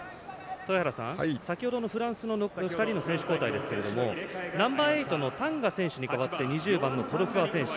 豊原さん、先ほどのフランスの２人の選手交代ですがナンバーエイトのタンガ選手に代わって２０番のトロフア選手